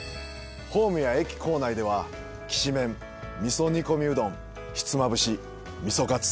ホームや駅構内ではきしめん、味噌煮込みうどんひつまぶし、味噌カツ